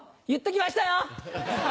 言っときましたよ！